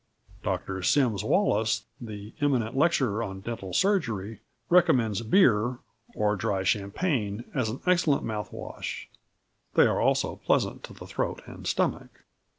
Dr Sims Wallace, the eminent lecturer on Dental Surgery, recommends Beer or dry Champagne as an excellent mouth wash. They are also pleasant to the throat and stomach!"